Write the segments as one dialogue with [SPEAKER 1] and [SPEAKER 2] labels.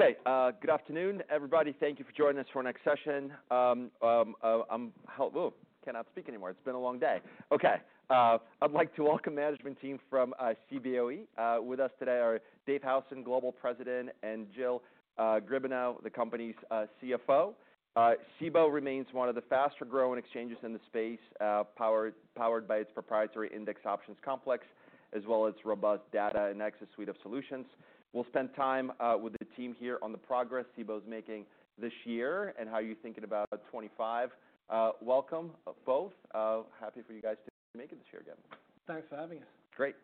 [SPEAKER 1] Okay, good afternoon everybody. Thank you for joining us for our next session. I cannot speak anymore. It's been a long day. Okay, I'd like to welcome the management team from Cboe. With us today are Dave Howson, Global President, and Jill Griebenow, the company's CFO. Cboe remains one of the faster-growing exchanges in the space, powered by its proprietary index options complex, as well as its robust Data and Access suite of solutions. We'll spend time with the team here on the progress Cboe's making this year and how you're thinking about 2025. Welcome both. Happy for you guys to be here this year again.
[SPEAKER 2] Thanks for having us.
[SPEAKER 1] Great.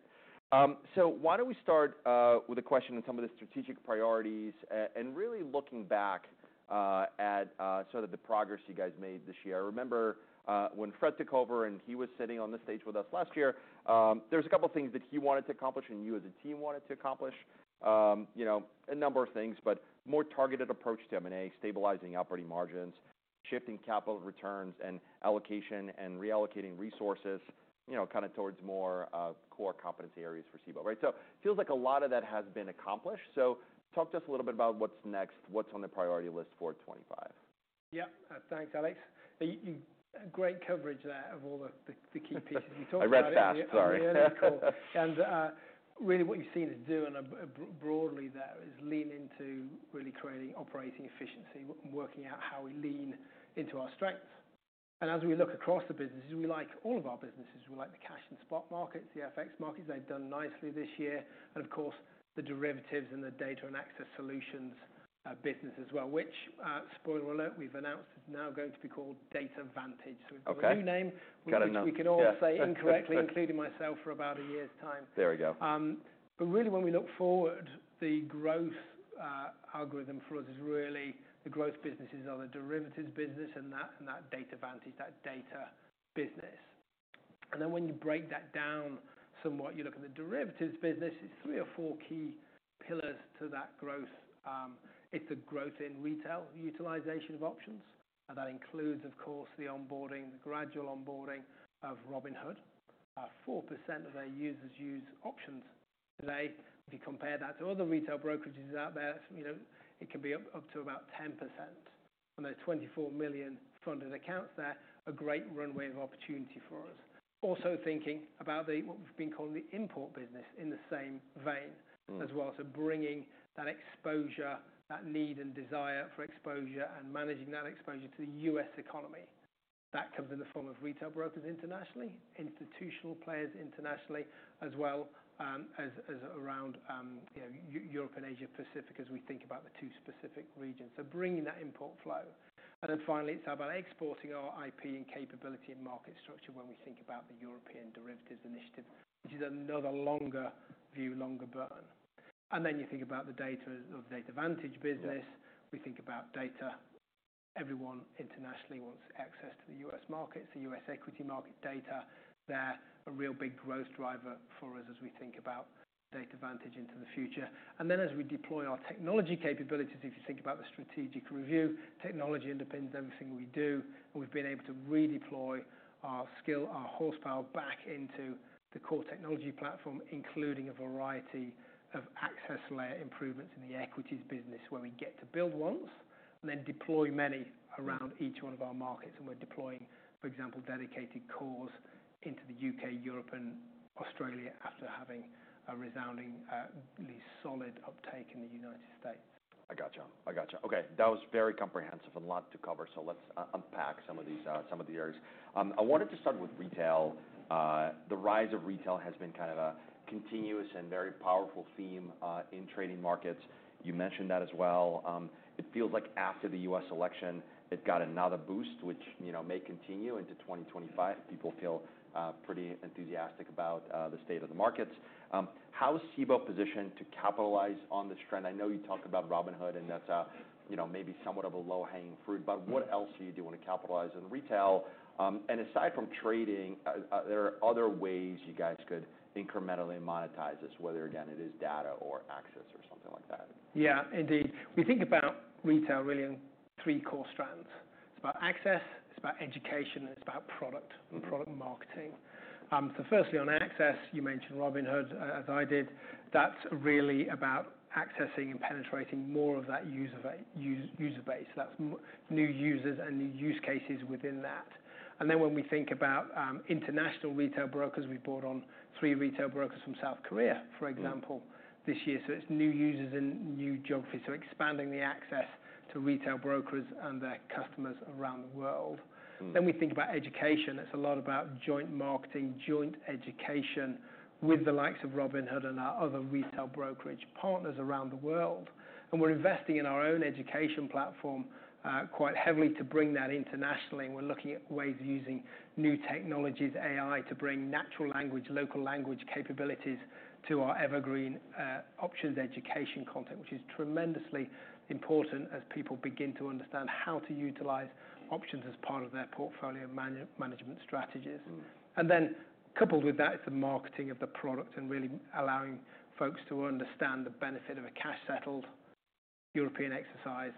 [SPEAKER 1] So why don't we start with a question on some of the strategic priorities, and really looking back at sort of the progress you guys made this year. I remember when Fred took over and he was sitting on the stage with us last year, there was a couple of things that he wanted to accomplish and you as a team wanted to accomplish. You know, a number of things, but more targeted approach to M&A, stabilizing operating margins, shifting capital returns, and allocation and reallocating resources, you know, kinda towards more core competency areas for Cboe, right? So it feels like a lot of that has been accomplished. So talk to us a little bit about what's next, what's on the priority list for 2025.
[SPEAKER 2] Yep. Thanks, Alex. You great coverage there of all the key pieces we talked about.
[SPEAKER 1] I read fast, sorry.
[SPEAKER 2] Yeah, yeah, yeah. Yeah, cool. And really what you've seen us doing broadly there is lean into really creating operating efficiency and working out how we lean into our strengths. And as we look across the businesses, we like all of our businesses. We like the cash and spot markets, the FX markets. They've done nicely this year. And of course, the derivatives and the Data and Access Solutions business as well, which, spoiler alert, we've announced is now going to be called Data Vantage. So we've got a new name.
[SPEAKER 1] Okay.
[SPEAKER 2] Which we can all say incorrectly, including myself, for about a year's time.
[SPEAKER 1] There we go.
[SPEAKER 2] But really, when we look forward, the growth algorithm for us is really the growth businesses are the derivatives business and that Data Vantage, that data business. And then, when you break that down somewhat, you look at the derivatives business. It's three or four key pillars to that growth. It's the growth in retail utilization of options. And that includes, of course, the onboarding, the gradual onboarding of Robinhood. 4% of their users use options today. If you compare that to other retail brokerages out there, you know, it can be up to about 10%. And there's 24 million funded accounts there, a great runway of opportunity for us. Also thinking about what we've been calling the import business in the same vein.
[SPEAKER 1] Mm-hmm.
[SPEAKER 2] As well. So bringing that exposure, that need and desire for exposure, and managing that exposure to the U.S. economy. That comes in the form of retail brokers internationally, institutional players internationally, as well as around, you know, Europe and Asia Pacific as we think about the two specific regions. So bringing that import flow. And then finally, it's about exporting our IP and capability and market structure when we think about the European derivatives initiative, which is another longer view, longer burn. And then you think about the data or the Data Vantage business.
[SPEAKER 1] Mm-hmm.
[SPEAKER 2] We think about data. Everyone internationally wants access to the U.S. markets, the U.S. equity market. Data there, a real big growth driver for us as we think about Data Vantage into the future, and then as we deploy our technology capabilities, if you think about the strategic review, technology underpins everything we do, and we've been able to redeploy our skill, our horsepower back into the core technology platform, including a variety of access layer improvements in the equities business where we get to build ones and then deploy many around each one of our markets, and we're deploying, for example, Dedicated Cores into the U.K., Europe, and Australia after having a resounding, really solid uptake in the United States.
[SPEAKER 1] I gotcha. I gotcha. Okay. That was very comprehensive and a lot to cover, so let's unpack some of these, some of the areas. I wanted to start with retail. The rise of retail has been kind of a continuous and very powerful theme in trading markets. You mentioned that as well. It feels like after the U.S. election, it got another boost, which you know may continue into 2025. People feel pretty enthusiastic about the state of the markets. How is Cboe positioned to capitalize on this trend? I know you talk about Robinhood and that's you know maybe somewhat of a low-hanging fruit, but what else are you doing to capitalize on retail, and aside from trading, there are other ways you guys could incrementally monetize this, whether again it is data or access or something like that.
[SPEAKER 2] Yeah, indeed. We think about retail really in three core strands. It's about access. It's about education. It's about product.
[SPEAKER 1] Mm-hmm.
[SPEAKER 2] Product marketing. So firstly, on access, you mentioned Robinhood, as I did. That's really about accessing and penetrating more of that user base. That's more new users and new use cases within that. And then when we think about international retail brokers, we've brought on three retail brokers from South Korea, for example, this year. So it's new users in new geographies. So expanding the access to retail brokers and their customers around the world.
[SPEAKER 1] Mm-hmm.
[SPEAKER 2] We think about education. It's a lot about joint marketing, joint education with the likes of Robinhood and our other retail brokerage partners around the world. And we're investing in our own education platform, quite heavily to bring that internationally. And we're looking at ways of using new technologies, AI, to bring natural language, local language capabilities to our evergreen, options education content, which is tremendously important as people begin to understand how to utilize options as part of their portfolio management strategies.
[SPEAKER 1] Mm-hmm.
[SPEAKER 2] Then coupled with that is the marketing of the product and really allowing folks to understand the benefit of a cash-settled European exercise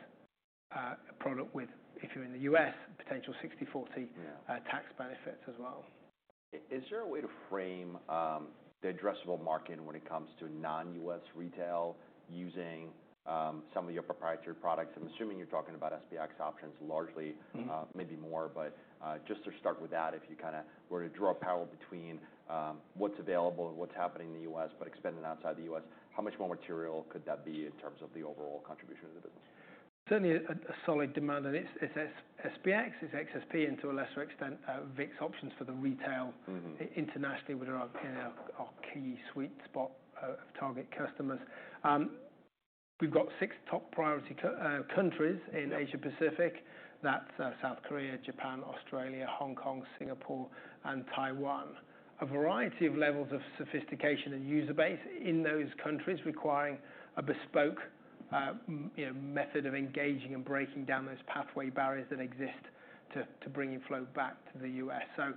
[SPEAKER 2] product with, if you're in the U.S., potential 60/40.
[SPEAKER 1] Yeah.
[SPEAKER 2] Tax benefits as well.
[SPEAKER 1] Is there a way to frame the addressable market when it comes to non-U.S. retail using some of your proprietary products? I'm assuming you're talking about SPX options largely.
[SPEAKER 2] Mm-hmm.
[SPEAKER 1] Maybe more. But, just to start with that, if you kinda were to draw a parallel between, what's available and what's happening in the U.S. but expanding outside the U.S., how much more material could that be in terms of the overall contribution of the business?
[SPEAKER 2] Certainly, a solid demand. And it's SPX, it's XSP and to a lesser extent, VIX options for the retail.
[SPEAKER 1] Mm-hmm.
[SPEAKER 2] Internationally, we're, you know, our key sweet spot of target customers. We've got six top priority countries in Asia Pacific. That's South Korea, Japan, Australia, Hong Kong, Singapore, and Taiwan. A variety of levels of sophistication and user base in those countries requiring a bespoke, you know, method of engaging and breaking down those pathway barriers that exist to bringing flow back to the U.S. So,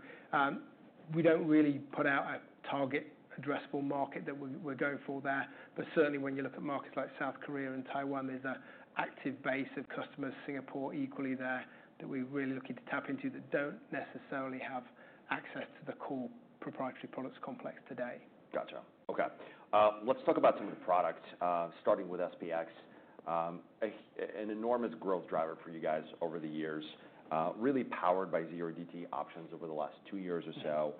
[SPEAKER 2] we don't really put out a target addressable market that we're going for there. But certainly, when you look at markets like South Korea and Taiwan, there's an active base of customers, Singapore equally there, that we're really looking to tap into that don't necessarily have access to the core proprietary products complex today.
[SPEAKER 1] Gotcha. Okay. Let's talk about some of the products, starting with SPX, an enormous growth driver for you guys over the years, really powered by 0DTE options over the last two years or so.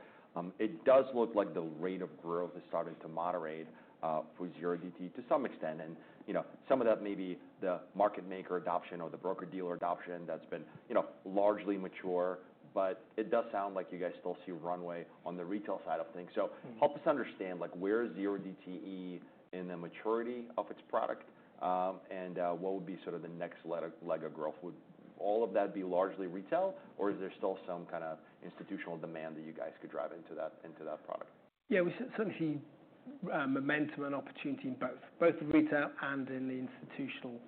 [SPEAKER 1] It does look like the rate of growth is starting to moderate for 0DTE to some extent. And, you know, some of that may be the market maker adoption or the broker-dealer adoption that's been, you know, largely mature. But it does sound like you guys still see runway on the retail side of things. So.
[SPEAKER 2] Mm-hmm.
[SPEAKER 1] Help us understand, like, where is 0DTE in the maturity of its product? What would be sort of the next leg of growth? Would all of that be largely retail, or is there still some kinda institutional demand that you guys could drive into that product?
[SPEAKER 2] Yeah, we certainly see momentum and opportunity in both the retail and the institutional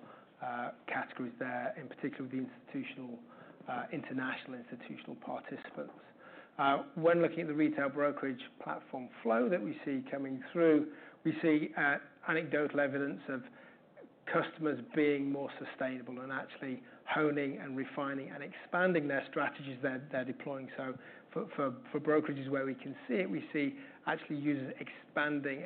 [SPEAKER 2] categories there, in particular with the institutional, international institutional participants. When looking at the retail brokerage platform flow that we see coming through, we see anecdotal evidence of customers being more sustainable and actually honing and refining and expanding their strategies they're deploying. So for brokerages where we can see it, we see actually users expanding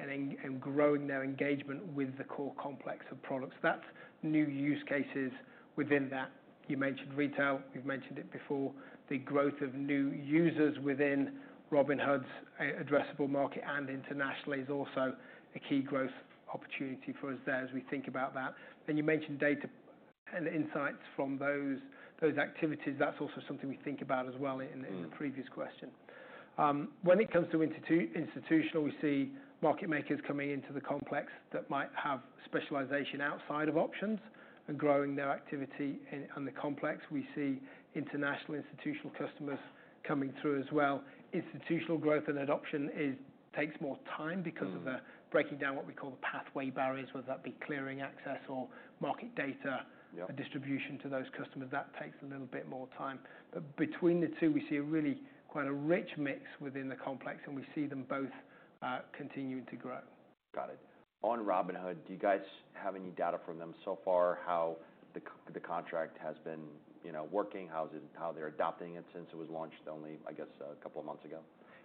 [SPEAKER 2] and growing their engagement with the core complex of products. That's new use cases within that. You mentioned retail. We've mentioned it before. The growth of new users within Robinhood's addressable market and internationally is also a key growth opportunity for us there as we think about that. And you mentioned data and insights from those activities. That's also something we think about as well in the previous question.
[SPEAKER 1] Mm-hmm.
[SPEAKER 2] When it comes to institutional, we see market makers coming into the complex that might have specialization outside of options and growing their activity in the complex. We see international institutional customers coming through as well. Institutional growth and adoption takes more time because of the.
[SPEAKER 1] Mm-hmm.
[SPEAKER 2] Breaking down what we call the pathway barriers, whether that be clearing access or market data.
[SPEAKER 1] Yep.
[SPEAKER 2] Distribution to those customers. That takes a little bit more time. But between the two, we see a really quite a rich mix within the complex, and we see them both, continuing to grow.
[SPEAKER 1] Got it. On Robinhood, do you guys have any data from them so far how the contract has been, you know, working, how is it they're adopting it since it was launched only, I guess, a couple of months ago?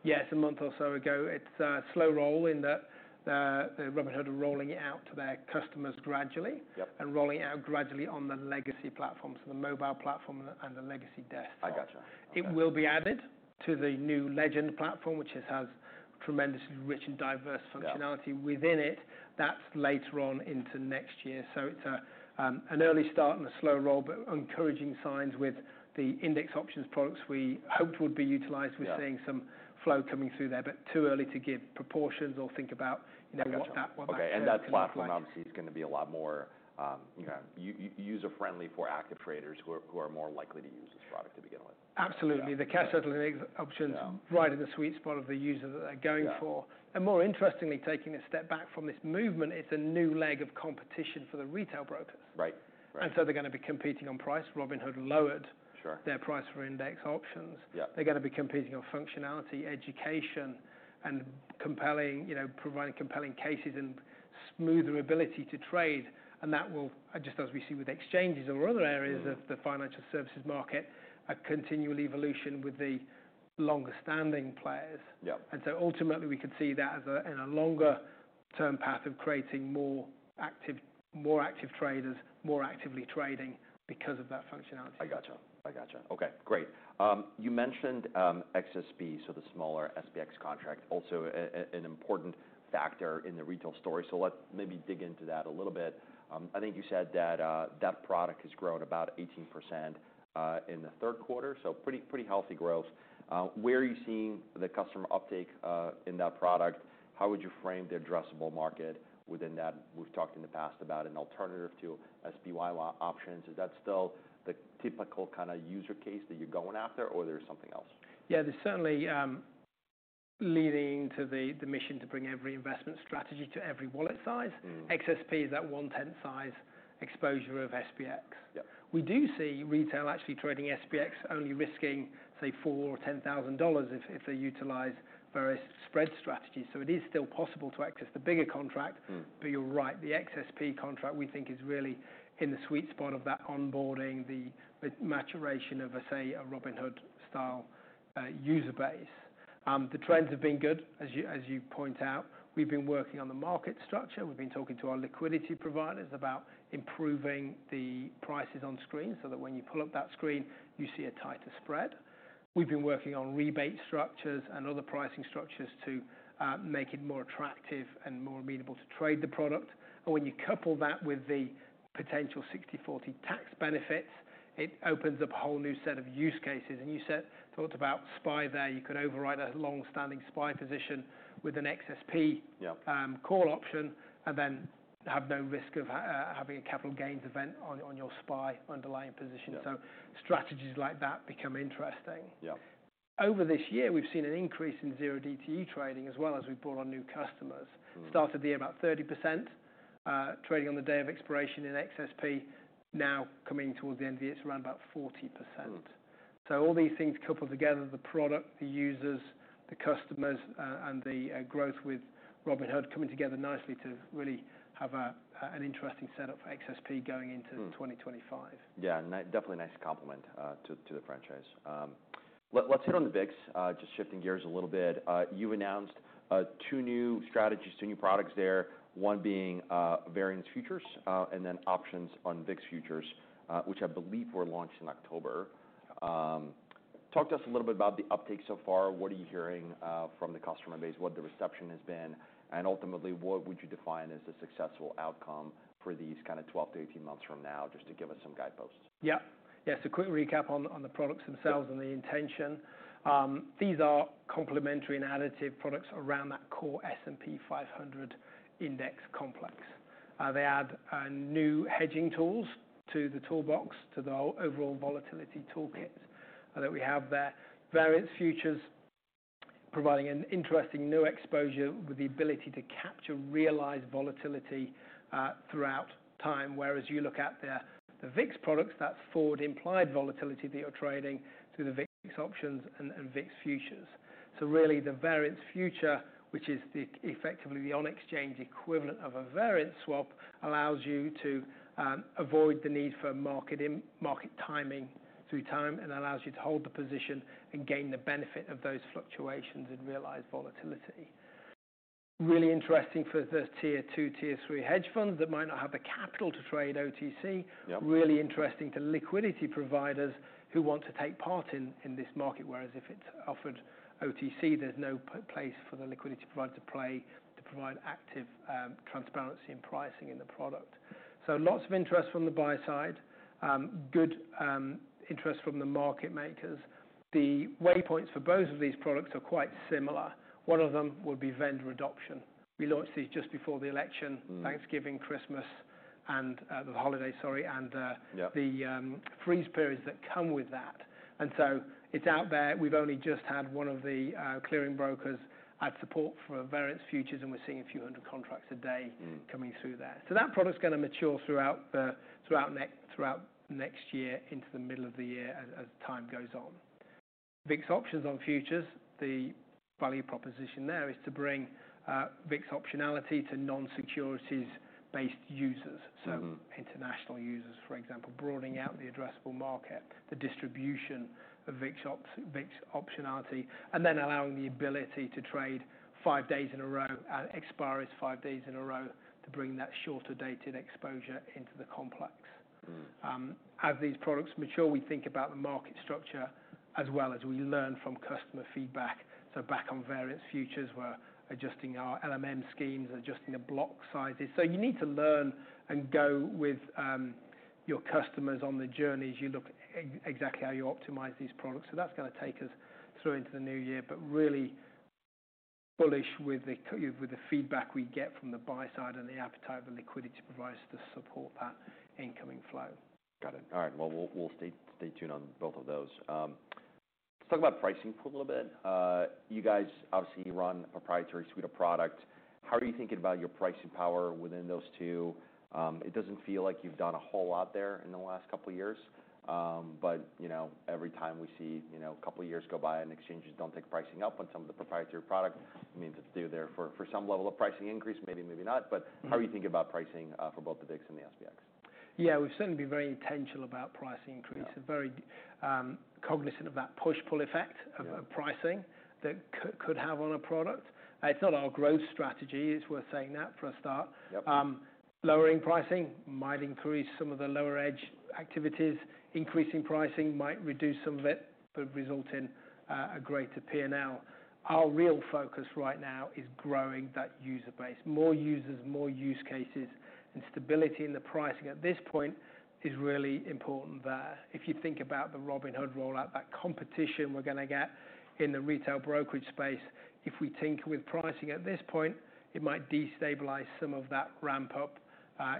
[SPEAKER 2] Yeah, it's a month or so ago. It's a slow roll in the Robinhood are rolling it out to their customers gradually.
[SPEAKER 1] Yep.
[SPEAKER 2] And rolling it out gradually on the legacy platform, so the mobile platform and the legacy desktop.
[SPEAKER 1] I gotcha.
[SPEAKER 2] It will be added to the new Legend platform, which has tremendously rich and diverse functionality.
[SPEAKER 1] Mm-hmm.
[SPEAKER 2] Within it. That's later on into next year. So it's an early start and a slow roll, but encouraging signs with the index options products we hoped would be utilized.
[SPEAKER 1] Mm-hmm.
[SPEAKER 2] We're seeing some flow coming through there, but too early to give proportions or think about, you know, what that.
[SPEAKER 1] Okay, and that platform obviously is gonna be a lot more, you know, user-friendly for active traders who are more likely to use this product to begin with.
[SPEAKER 2] Absolutely. The cash-settling options.
[SPEAKER 1] Yeah.
[SPEAKER 2] Right in the sweet spot of the user that they're going for.
[SPEAKER 1] Yeah.
[SPEAKER 2] More interestingly, taking a step back from this movement, it's a new leg of competition for the retail brokers.
[SPEAKER 1] Right. Right.
[SPEAKER 2] And so they're gonna be competing on price. Robinhood lowered.
[SPEAKER 1] Sure.
[SPEAKER 2] Their price for index options.
[SPEAKER 1] Yep.
[SPEAKER 2] They're gonna be competing on functionality, education, and compelling, you know, providing compelling cases and smoother ability to trade. And that will, just as we see with exchanges or other areas of the financial services market, a continual evolution with the longer-standing players.
[SPEAKER 1] Yep.
[SPEAKER 2] And so ultimately, we could see that as a longer-term path of creating more active traders, more actively trading because of that functionality.
[SPEAKER 1] I gotcha. Okay. Great. You mentioned XSP, so the smaller SPX contract, also an important factor in the retail story. So let's maybe dig into that a little bit. I think you said that product has grown about 18% in the third quarter. So pretty healthy growth. Where are you seeing the customer uptake in that product? How would you frame the addressable market within that? We've talked in the past about an alternative to SPY options. Is that still the typical kinda use case that you're going after, or there's something else?
[SPEAKER 2] Yeah, there's certainly leading to the mission to bring every investment strategy to every wallet size.
[SPEAKER 1] Mm-hmm.
[SPEAKER 2] XSP is that one-tenth size exposure of SPX.
[SPEAKER 1] Yep.
[SPEAKER 2] We do see retail actually trading SPX only risking, say, $4,000 or $10,000 if they utilize various spread strategies. So it is still possible to access the bigger contract.
[SPEAKER 1] Mm-hmm.
[SPEAKER 2] But you're right. The XSP contract we think is really in the sweet spot of that onboarding, the maturation of, say, a Robinhood-style user base. The trends have been good, as you point out. We've been working on the market structure. We've been talking to our liquidity providers about improving the prices on screen so that when you pull up that screen, you see a tighter spread. We've been working on rebate structures and other pricing structures to make it more attractive and more amenable to trade the product. And when you couple that with the potential 60/40 tax benefits, it opens up a whole new set of use cases. And you talked about SPY there. You could override a long-standing SPY position with an XSP.
[SPEAKER 1] Yep.
[SPEAKER 2] call option and then have no risk of having a capital gains event on your SPY underlying position.
[SPEAKER 1] Yeah.
[SPEAKER 2] Strategies like that become interesting.
[SPEAKER 1] Yep.
[SPEAKER 2] Over this year, we've seen an increase in 0DTE trading as well as we've brought on new customers.
[SPEAKER 1] Mm-hmm.
[SPEAKER 2] Started the year about 30%, trading on the day of expiration in XSP. Now, coming towards the end of the year, it's around about 40%.
[SPEAKER 1] Mm-hmm.
[SPEAKER 2] So all these things coupled together, the product, the users, the customers, and the growth with Robinhood coming together nicely to really have an interesting setup for XSP going into.
[SPEAKER 1] Mm-hmm.
[SPEAKER 2] 2025.
[SPEAKER 1] Yeah, and definitely nice compliment to the franchise. Let's hit on the VIX, just shifting gears a little bit. You announced two new strategies, two new products there, one being Variance Futures, and then Options on VIX Futures, which I believe were launched in October. Talk to us a little bit about the uptake so far. What are you hearing from the customer base, what the reception has been, and ultimately, what would you define as a successful outcome for these kinda 12-18 months from now, just to give us some guideposts?
[SPEAKER 2] Yep. Yeah, so quick recap on the products themselves and the intention. These are complementary and additive products around that core S&P 500 index complex. They add new hedging tools to the toolbox, to the overall volatility toolkit that we have there. Variance Futures providing an interesting new exposure with the ability to capture realized volatility throughout time. Whereas you look at the VIX products, that's forward-implied volatility that you're trading through the VIX options and VIX Futures. So really, the Variance Futures, which is the effectively the on-exchange equivalent of a variance swap, allows you to avoid the need for market timing through time and allows you to hold the position and gain the benefit of those fluctuations and realized volatility. Really interesting for the tier two, tier three hedge funds that might not have the capital to trade OTC.
[SPEAKER 1] Yep.
[SPEAKER 2] Really interesting to liquidity providers who want to take part in this market. Whereas if it's offered OTC, there's no place for the liquidity provider to play to provide active transparency and pricing in the product. So lots of interest from the buy side, good interest from the market makers. The waypoints for both of these products are quite similar. One of them would be vendor adoption. We launched these just before the election.
[SPEAKER 1] Mm-hmm.
[SPEAKER 2] Thanksgiving, Christmas, and the holiday. Sorry, and...
[SPEAKER 1] Yep.
[SPEAKER 2] The freeze periods that come with that. And so it's out there. We've only just had one of the clearing brokers add support for Variance Futures, and we're seeing a few hundred contracts a day.
[SPEAKER 1] Mm-hmm.
[SPEAKER 2] Coming through there. So that product's gonna mature throughout next year into the middle of the year as time goes on. VIX Options on Futures, the value proposition there is to bring VIX optionality to non-securities-based users.
[SPEAKER 1] Mm-hmm.
[SPEAKER 2] International users, for example, broadening out the addressable market, the distribution of VIX options, VIX optionality, and then allowing the ability to trade five days in a row, expires five days in a row, to bring that shorter-dated exposure into the complex.
[SPEAKER 1] Mm-hmm.
[SPEAKER 2] As these products mature, we think about the market structure as well as we learn from customer feedback. Back on Variance Futures, we're adjusting our LMM schemes, adjusting the block sizes. You need to learn and go with your customers on the journey as you look at exactly how you optimize these products. That's gonna take us through into the new year, but really bullish with the feedback we get from the buy side and the appetite of the liquidity providers to support that incoming flow.
[SPEAKER 1] Got it. All right. We'll stay tuned on both of those. Let's talk about pricing for a little bit. You guys obviously run a proprietary suite of products. How are you thinking about your pricing power within those two? It doesn't feel like you've done a whole lot there in the last couple of years. But, you know, every time we see, you know, a couple of years go by and exchanges don't take pricing up on some of the proprietary product, it means it's due there for some level of pricing increase, maybe, maybe not. But.
[SPEAKER 2] Mm-hmm.
[SPEAKER 1] How are you thinking about pricing, for both the VIX and the SPX?
[SPEAKER 2] Yeah, we've certainly been very intentional about price increase.
[SPEAKER 1] Mm-hmm.
[SPEAKER 2] We're very cognizant of that push-pull effect.
[SPEAKER 1] Mm-hmm.
[SPEAKER 2] Of pricing that could have on a product. It's not our growth strategy, it's worth saying that for a start.
[SPEAKER 1] Yep.
[SPEAKER 2] Lowering pricing might increase some of the lower-edge activities. Increasing pricing might reduce some of it but result in a greater P&L. Our real focus right now is growing that user base, more users, more use cases, and stability in the pricing at this point is really important there. If you think about the Robinhood rollout, that competition we're gonna get in the retail brokerage space, if we tinker with pricing at this point, it might destabilize some of that ramp-up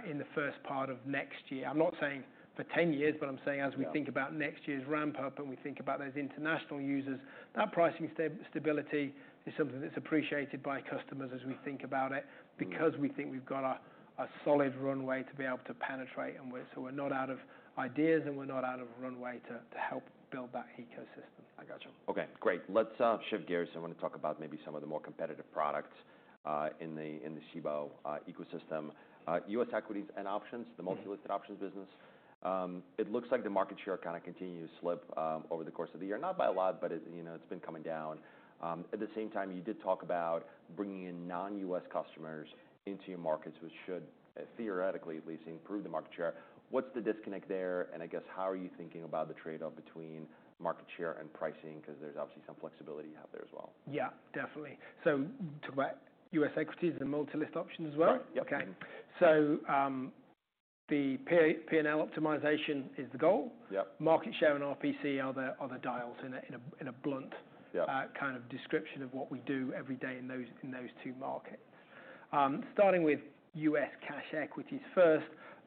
[SPEAKER 2] in the first part of next year. I'm not saying for 10 years, but I'm saying as we think about next year's ramp-up and we think about those international users, that pricing stability is something that's appreciated by customers as we think about it.
[SPEAKER 1] Mm-hmm.
[SPEAKER 2] Because we think we've got a solid runway to be able to penetrate and we're not out of ideas and we're not out of a runway to help build that ecosystem.
[SPEAKER 1] I gotcha. Okay. Great. Let's shift gears. I wanna talk about maybe some of the more competitive products in the Cboe ecosystem. U.S. equities and options, the multi-listed options business. It looks like the market share kinda continues to slip over the course of the year. Not by a lot, but it, you know, it's been coming down. At the same time, you did talk about bringing in non-U.S. customers into your markets, which should, theoretically at least, improve the market share. What's the disconnect there? And I guess, how are you thinking about the trade-off between market share and pricing? 'Cause there's obviously some flexibility out there as well.
[SPEAKER 2] Yeah, definitely. So talk about U.S. equities and multi-listed options as well.
[SPEAKER 1] Right. Yep.
[SPEAKER 2] Okay. So, the P&L optimization is the goal.
[SPEAKER 1] Yep.
[SPEAKER 2] Market share and RPC are the dials in a blunt.
[SPEAKER 1] Yep.
[SPEAKER 2] Kind of description of what we do every day in those two markets. Starting with U.S. cash equities first,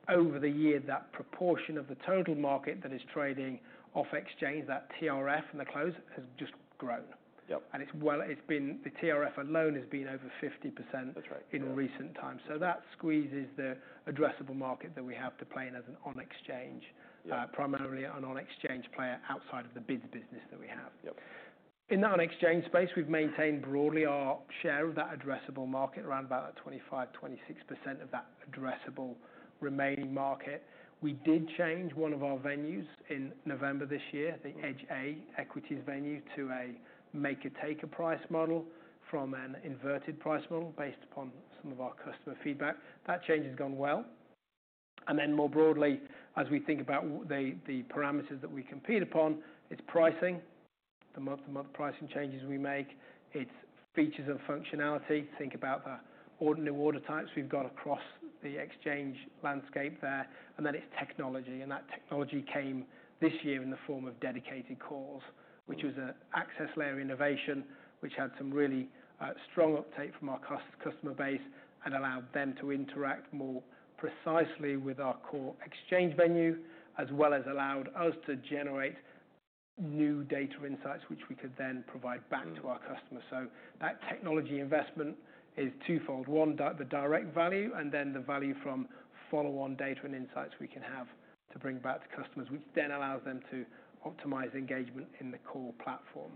[SPEAKER 2] over the year, that proportion of the total market that is trading off exchange, that TRF and the close, has just grown.
[SPEAKER 1] Yep.
[SPEAKER 2] It's, well, it's been the TRF alone has been over 50%.
[SPEAKER 1] That's right.
[SPEAKER 2] In recent times, so that squeezes the addressable market that we have to play in as an on-exchange.
[SPEAKER 1] Yep.
[SPEAKER 2] primarily an on-exchange player outside of the BIDS business that we have.
[SPEAKER 1] Yep.
[SPEAKER 2] In the on-exchange space, we've maintained broadly our share of that addressable market, around about 25%-26% of that addressable remaining market. We did change one of our venues in November this year, the EDGA Equities venue, to a Maker-Taker pricing model from an inverted price model based upon some of our customer feedback. That change has gone well. And then more broadly, as we think about the parameters that we compete upon, it's pricing, the month-to-month pricing changes we make, it's features and functionality, think about our new order types we've got across the exchange landscape there. And then it's technology. That technology came this year in the form of Dedicated Cores, which was an access layer innovation, which had some really strong uptake from our customer base and allowed them to interact more precisely with our core exchange venue, as well as allowed us to generate new data insights, which we could then provide back to our customers. That technology investment is twofold: one, the direct value, and then the value from follow-on data and insights we can have to bring back to customers, which then allows them to optimize engagement in the core platform.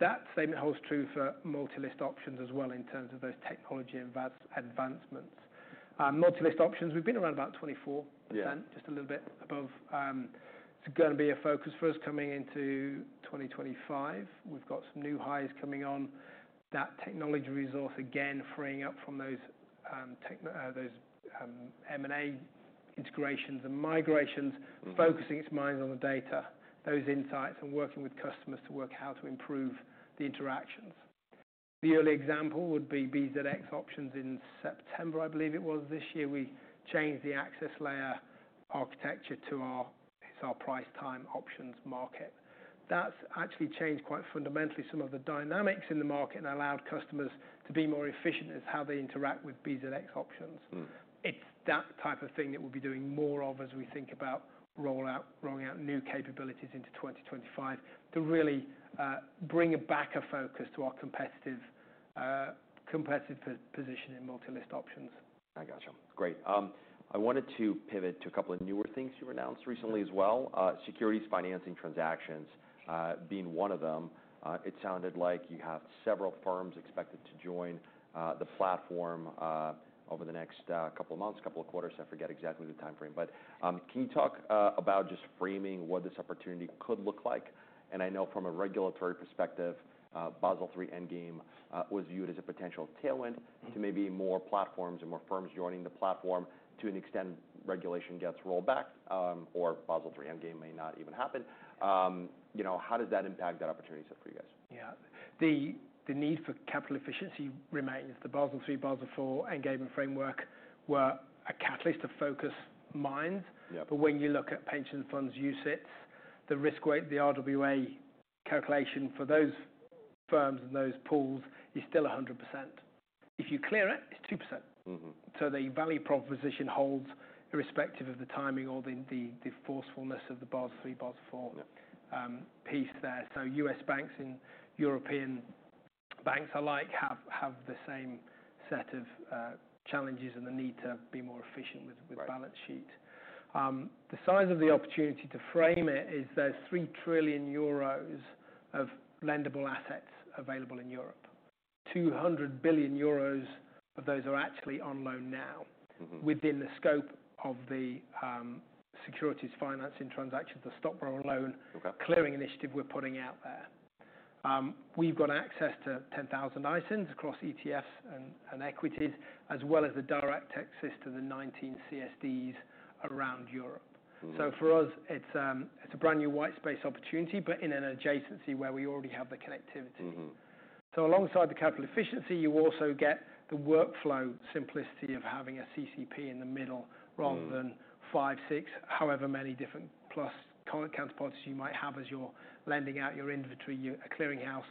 [SPEAKER 2] That statement holds true for multi-listed options as well in terms of those technology advancements. Multi-listed options, we've been around about 24%.
[SPEAKER 1] Yep.
[SPEAKER 2] Just a little bit above. It's gonna be a focus for us coming into 2025. We've got some new highs coming on. That technology resource, again, freeing up from those M&A integrations and migrations.
[SPEAKER 1] Mm-hmm.
[SPEAKER 2] Focusing its minds on the data, those insights, and working with customers to work how to improve the interactions. The early example would be BZX Options in September, I believe it was. This year, we changed the access layer architecture to our price-time options market. That's actually changed quite fundamentally some of the dynamics in the market and allowed customers to be more efficient as how they interact with BZX Options.
[SPEAKER 1] Mm-hmm.
[SPEAKER 2] It's that type of thing that we'll be doing more of as we think about rollout, rolling out new capabilities into 2025 to really bring a bigger focus to our competitive position in multi-listed options.
[SPEAKER 1] I gotcha. Great. I wanted to pivot to a couple of newer things you announced recently as well. Securities financing transactions, being one of them. It sounded like you have several firms expected to join the platform over the next couple of months, couple of quarters. I forget exactly the timeframe. But can you talk about just framing what this opportunity could look like? And I know from a regulatory perspective, Basel III Endgame was viewed as a potential tailwind.
[SPEAKER 2] Mm-hmm.
[SPEAKER 1] To maybe more platforms and more firms joining the platform to an extent regulation gets rolled back, or Basel III Endgame may not even happen, you know, how does that impact that opportunity set for you guys?
[SPEAKER 2] Yeah. The need for capital efficiency remains. The Basel III Endgame and framework were a catalyst to focus minds.
[SPEAKER 1] Yep.
[SPEAKER 2] But when you look at pension funds usage, the risk weight, the RWA calculation for those firms and those pools is still 100%. If you clear it, it's 2%.
[SPEAKER 1] Mm-hmm.
[SPEAKER 2] So the value proposition holds irrespective of the timing or the forcefulness of the Basel III, Basel IV.
[SPEAKER 1] Yep.
[SPEAKER 2] piece there. So U.S. banks and European banks alike have the same set of challenges and the need to be more efficient with balance sheet.
[SPEAKER 1] Right.
[SPEAKER 2] The size of the opportunity to frame it is there's 3 trillion euros of lendable assets available in Europe. 200 billion euros of those are actually on loan now.
[SPEAKER 1] Mm-hmm.
[SPEAKER 2] Within the scope of the securities financing transactions, the Stock Borrow Loan.
[SPEAKER 1] Okay.
[SPEAKER 2] Clearing initiative we're putting out there. We've got access to 10,000 ISINs across ETFs and equities, as well as the direct access to the 19 CSDs around Europe.
[SPEAKER 1] Mm-hmm.
[SPEAKER 2] So for us, it's a brand new white space opportunity, but in an adjacency where we already have the connectivity.
[SPEAKER 1] Mm-hmm.
[SPEAKER 2] So alongside the capital efficiency, you also get the workflow simplicity of having a CCP in the middle rather than five, six, however many different plus co-accounts policies you might have as you're lending out your inventory. Your clearing house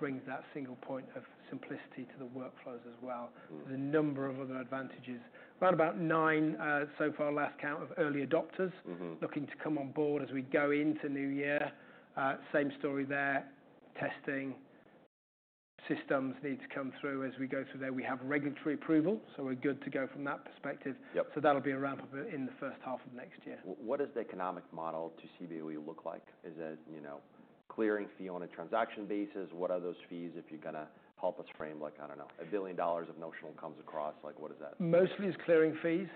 [SPEAKER 2] brings that single point of simplicity to the workflows as well.
[SPEAKER 1] Mm-hmm.
[SPEAKER 2] There's a number of other advantages. Around about nine, so far, last count of early adopters.
[SPEAKER 1] Mm-hmm.
[SPEAKER 2] Looking to come on board as we go into new year. Same story there. Testing systems need to come through as we go through there. We have regulatory approval, so we're good to go from that perspective.
[SPEAKER 1] Yep.
[SPEAKER 2] That'll be a ramp-up in the first half of next year.
[SPEAKER 1] What does the economic model to Cboe look like? Is it, you know, clearing fee on a transaction basis? What are those fees if you're gonna help us frame, like, I don't know, $1 billion of notional comes across? Like, what does that?
[SPEAKER 2] Mostly it's clearing fees.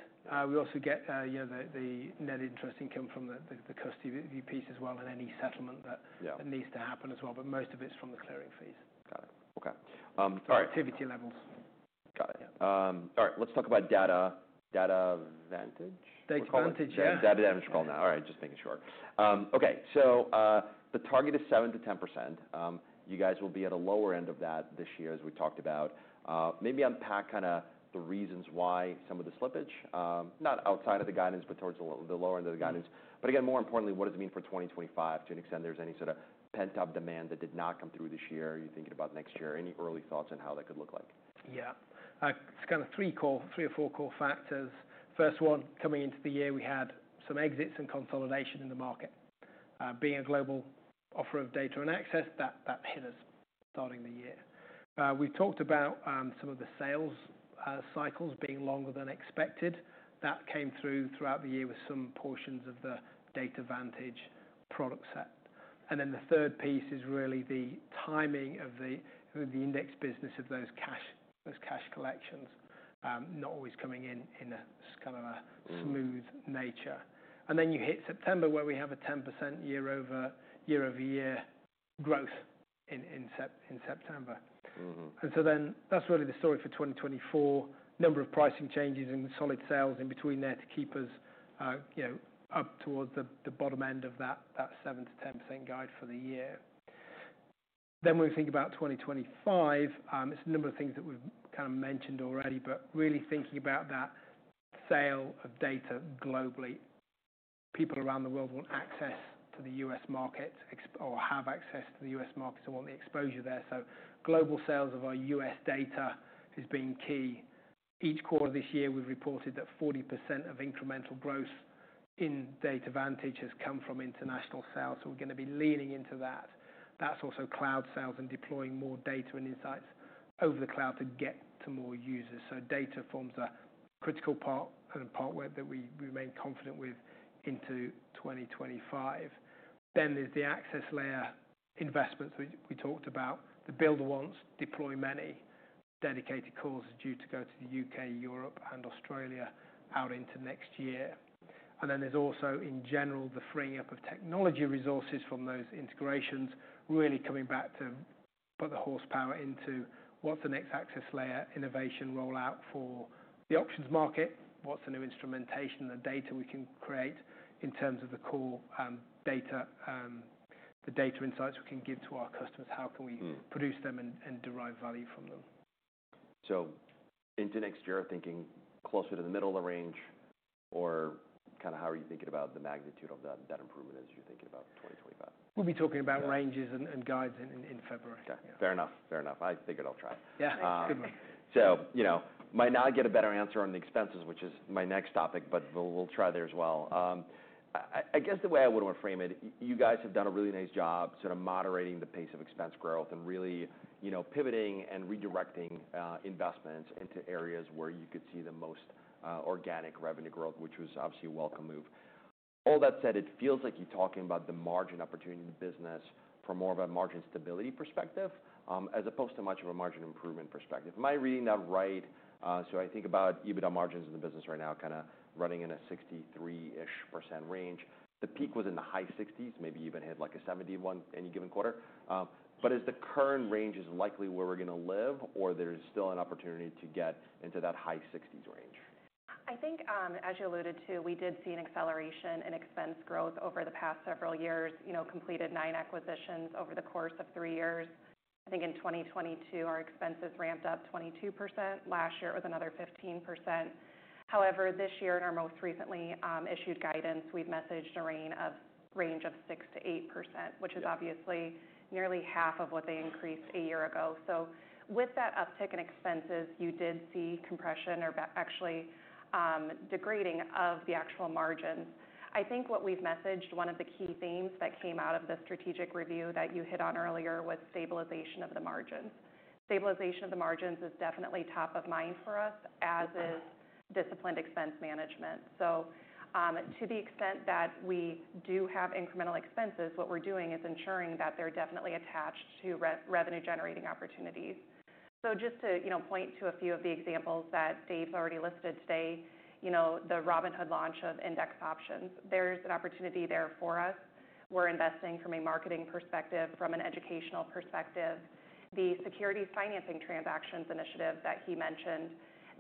[SPEAKER 2] We also get, you know, the net interest income from the custody piece as well and any settlement that.
[SPEAKER 1] Yeah.
[SPEAKER 2] That needs to happen as well. But most of it's from the clearing fees.
[SPEAKER 1] Got it. Okay. All right.
[SPEAKER 2] Activity levels.
[SPEAKER 1] Got it.
[SPEAKER 2] Yeah.
[SPEAKER 1] All right. Let's talk about data, Data Vantage.
[SPEAKER 2] Data Vantage, yeah.
[SPEAKER 1] Data Vantage call now. All right. Just making sure. Okay. So, the target is 7%-10%. You guys will be at a lower end of that this year as we talked about. Maybe unpack kinda the reasons why some of the slippage, not outside of the guidance, but towards the lower end of the guidance. But again, more importantly, what does it mean for 2025? To an extent, there's any sort of pent-up demand that did not come through this year? Are you thinking about next year? Any early thoughts on how that could look like?
[SPEAKER 2] Yeah. It's kinda three core three or four core factors. First one, coming into the year, we had some exits and consolidation in the market. Being a global offer of Data and Access, that, that hit us starting the year. We've talked about some of the sales cycles being longer than expected. That came through throughout the year with some portions of the Data Vantage product set. And then the third piece is really the timing of the index business of those cash, those cash collections, not always coming in, in a s kind of a.
[SPEAKER 1] Mm-hmm.
[SPEAKER 2] Smooth nature. And then you hit September, where we have a 10% year-over-year growth in September.
[SPEAKER 1] Mm-hmm.
[SPEAKER 2] That's really the story for 2024. A number of pricing changes and solid sales in between there to keep us, you know, up towards the bottom end of that 7%-10% guide for the year. When we think about 2025, it's a number of things that we've kinda mentioned already, but really thinking about that sale of data globally. People around the world want access to the U.S. markets either or have access to the U.S. markets and want the exposure there. So global sales of our U.S. data has been key. Each quarter this year, we've reported that 40% of incremental growth in Data Vantage has come from international sales. So we're gonna be leaning into that. That's also cloud sales and deploying more data and insights over the cloud to get to more users. Data forms a critical part and a part where we remain confident with into 2025. There's the access layer investments we talked about. The build once, deploy many. Dedicated Cores are due to go to the U.K., Europe, and Australia out into next year. There's also, in general, the freeing up of technology resources from those integrations, really coming back to put the horsepower into what's the next access layer innovation rollout for the options market, what's the new instrumentation, the data we can create in terms of the core data, the data insights we can give to our customers, how can we.
[SPEAKER 1] Mm-hmm.
[SPEAKER 2] Produce them and derive value from them.
[SPEAKER 1] So into next year, thinking closer to the middle of the range or kinda how are you thinking about the magnitude of that improvement as you're thinking about 2025?
[SPEAKER 2] We'll be talking about ranges and guides in February.
[SPEAKER 1] Okay. Fair enough. Fair enough. I figured I'll try it.
[SPEAKER 2] Yeah. Good luck.
[SPEAKER 1] So, you know, might not get a better answer on the expenses, which is my next topic, but we'll try there as well. I guess the way I would wanna frame it, you guys have done a really nice job sort of moderating the pace of expense growth and really, you know, pivoting and redirecting investments into areas where you could see the most organic revenue growth, which was obviously a welcome move. All that said, it feels like you're talking about the margin opportunity in the business from more of a margin stability perspective, as opposed to much of a margin improvement perspective. Am I reading that right? So I think about EBITDA margins in the business right now kinda running in a 63-ish% range. The peak was in the high 60s%, maybe even hit like a 70% in one any given quarter. but is the current range likely where we're gonna live, or there's still an opportunity to get into that high 60s% range?
[SPEAKER 3] I think, as you alluded to, we did see an acceleration in expense growth over the past several years. You know, completed nine acquisitions over the course of three years. I think in 2022, our expenses ramped up 22%. Last year, it was another 15%. However, this year, in our most recently issued guidance, we've messaged a range of 6%-8%, which is obviously nearly half of what they increased a year ago. So with that uptick in expenses, you did see compression or actually, degrading of the actual margins. I think what we've messaged, one of the key themes that came out of the strategic review that you hit on earlier was stabilization of the margins. Stabilization of the margins is definitely top of mind for us, as is disciplined expense management. So, to the extent that we do have incremental expenses, what we're doing is ensuring that they're definitely attached to revenue-generating opportunities. So just to, you know, point to a few of the examples that Dave's already listed today, you know, the Robinhood launch of index options, there's an opportunity there for us. We're investing from a marketing perspective, from an educational perspective. The securities financing transactions initiative that he mentioned,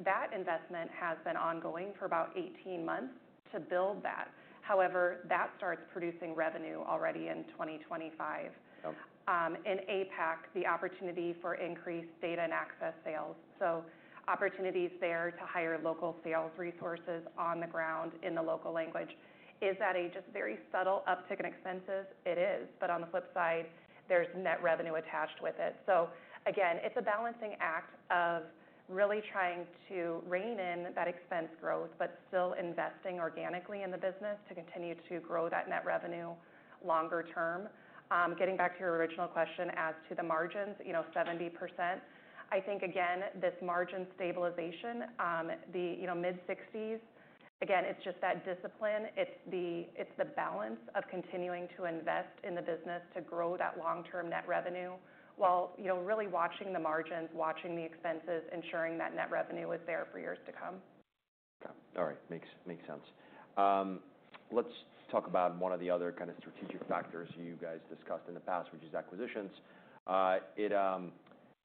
[SPEAKER 3] that investment has been ongoing for about 18 months to build that. However, that starts producing revenue already in 2025.
[SPEAKER 1] Okay.
[SPEAKER 3] In APAC, the opportunity for increased Data and Access sales. So opportunities there to hire local sales resources on the ground in the local language. Is that just a very subtle uptick in expenses? It is. But on the flip side, there's net revenue attached with it. So again, it's a balancing act of really trying to rein in that expense growth, but still investing organically in the business to continue to grow that net revenue longer term. Getting back to your original question as to the margins, you know, 70%, I think, again, this margin stabilization, the, you know, mid-60s%, again, it's just that discipline. It's the it's the balance of continuing to invest in the business to grow that long-term net revenue while, you know, really watching the margins, watching the expenses, ensuring that net revenue is there for years to come.
[SPEAKER 1] Okay. All right. Makes sense. Let's talk about one of the other kinda strategic factors you guys discussed in the past, which is acquisitions.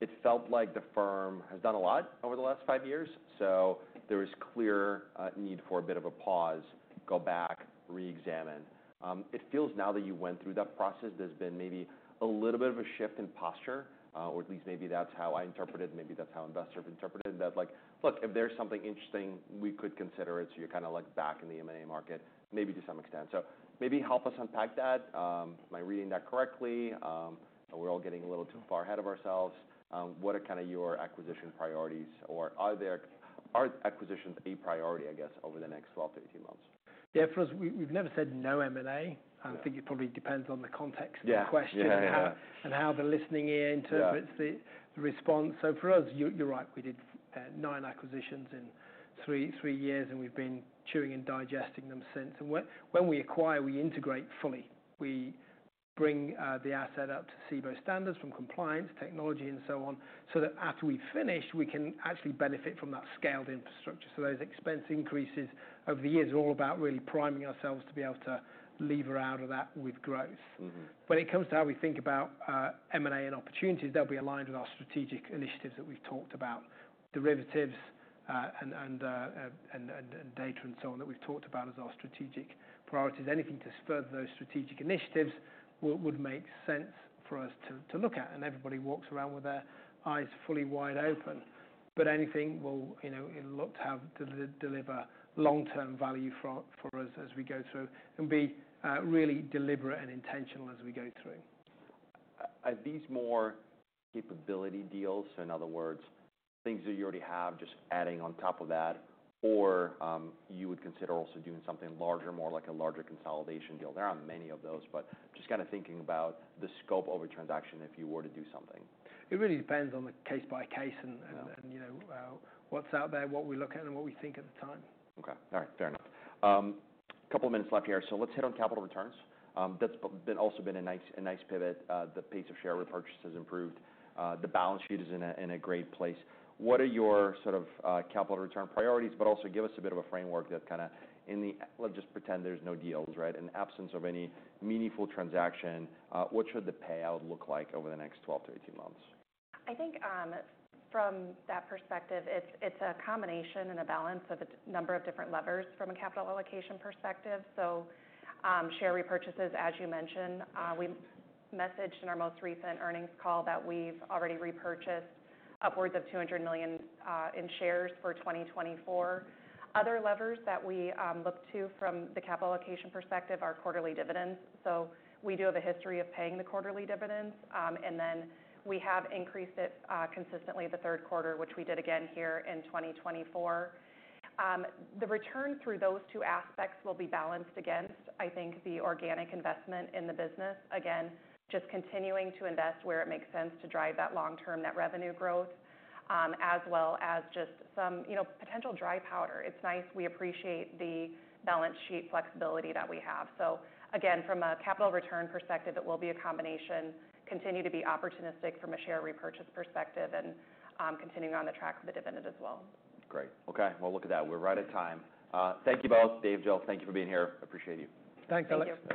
[SPEAKER 1] It felt like the firm has done a lot over the last five years. So there was clear need for a bit of a pause, go back, re-examine. It feels now that you went through that process, there's been maybe a little bit of a shift in posture, or at least maybe that's how I interpreted it. Maybe that's how investors have interpreted it, that like, "Look, if there's something interesting, we could consider it." So you're kinda like back in the M&A market, maybe to some extent. So maybe help us unpack that. Am I reading that correctly? Are we all getting a little too far ahead of ourselves? What are kinda your acquisition priorities, or are there acquisitions a priority, I guess, over the next 12-18 months?
[SPEAKER 2] Yeah. For us, we've never said no M&A.
[SPEAKER 1] Yeah.
[SPEAKER 2] I think it probably depends on the context of the question.
[SPEAKER 1] Yeah. Yeah.
[SPEAKER 2] And how the listening ear interprets the response. So for us, you're right. We did nine acquisitions in three years, and we've been chewing and digesting them since. And when we acquire, we integrate fully. We bring the asset up to Cboe standards from compliance, technology, and so on, so that after we finish, we can actually benefit from that scaled infrastructure. So those expense increases over the years are all about really priming ourselves to be able to lever out of that with growth.
[SPEAKER 1] Mm-hmm.
[SPEAKER 2] When it comes to how we think about M&A and opportunities, they'll be aligned with our strategic initiatives that we've talked about, derivatives, and data and so on that we've talked about as our strategic priorities. Anything to further those strategic initiatives would make sense for us to look at. And everybody walks around with their eyes fully wide open. But anything will, you know, it'll look to deliver long-term value for us as we go through and be really deliberate and intentional as we go through.
[SPEAKER 1] Are these more capability deals? So in other words, things that you already have just adding on top of that, or, you would consider also doing something larger, more like a larger consolidation deal? There are many of those, but just kinda thinking about the scope of a transaction if you were to do something.
[SPEAKER 2] It really depends on the case by case and, you know, what's out there, what we look at, and what we think at the time.
[SPEAKER 1] Okay. All right. Fair enough. Couple of minutes left here. So let's hit on capital returns. That's been also been a nice, a nice pivot. The pace of share repurchase has improved. The balance sheet is in a great place. What are your sort of capital return priorities, but also give us a bit of a framework that kinda in the let's just pretend there's no deals, right? In absence of any meaningful transaction, what should the payout look like over the next 12 to 18 months?
[SPEAKER 3] I think, from that perspective, it's a combination and a balance of a number of different levers from a capital allocation perspective. So, share repurchases, as you mentioned, we messaged in our most recent earnings call that we've already repurchased upwards of 200 million in shares for 2024. Other levers that we look to from the capital allocation perspective are quarterly dividends. So we do have a history of paying the quarterly dividends, and then we have increased it consistently the third quarter, which we did again here in 2024. The return through those two aspects will be balanced against, I think, the organic investment in the business, again, just continuing to invest where it makes sense to drive that long-term net revenue growth, as well as just some, you know, potential dry powder. It's nice. We appreciate the balance sheet flexibility that we have. So again, from a capital return perspective, it will be a combination, continue to be opportunistic from a share repurchase perspective, and continuing on the track for the dividend as well.
[SPEAKER 1] Great. Okay. Well, look at that. We're right at time. Thank you both. Dave, Jill, thank you for being here. Appreciate you.
[SPEAKER 2] Thanks, Alex.